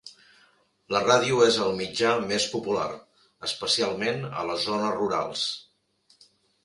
La ràdio és el mitjà més popular, especialment a les zones rurals.